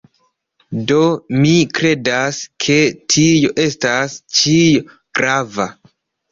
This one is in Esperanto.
Do, mi kredas, ke tio estas ĉio grava.